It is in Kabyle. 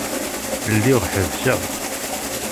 Lliɣ ḥebbseɣ.